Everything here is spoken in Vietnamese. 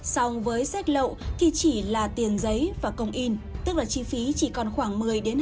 xong với sách lậu thì chỉ là tiền giấy và công in tức là chi phí chỉ còn khoảng một mươi hai mươi